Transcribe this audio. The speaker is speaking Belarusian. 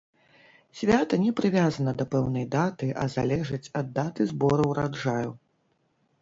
Свята не прывязана да пэўнай даты, а залежыць ад даты збору ўраджаю.